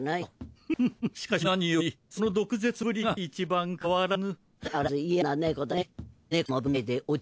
フフフフフしかし何よりその毒舌ぶりが一番変わらぬ。